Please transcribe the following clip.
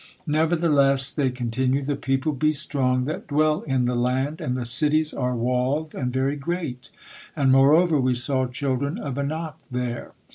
"Nevertheless," they continued, "the people be strong that dwell in the land, and the cities are walled, and very great: and moreover we saw children of Anak there."